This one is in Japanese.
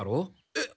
えっ？